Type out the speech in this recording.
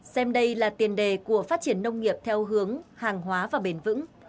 xem đây là tiền đề của phát triển nông nghiệp theo hướng hàng hóa và bền vững